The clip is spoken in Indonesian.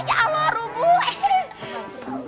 ya allah rubuh